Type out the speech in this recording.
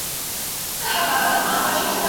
لکه چاودلي انار